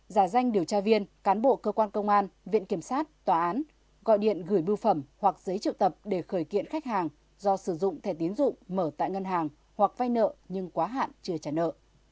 một giả danh điều tra viên cán bộ cơ quan công an viện kiểm sát tòa án gọi điện gửi bưu phẩm hoặc giấy triệu tập để khởi kiện khách hàng do sử dụng thẻ tiến dụng mở tại ngân hàng hoặc vay nợ nhưng quá hạn chưa trả nợ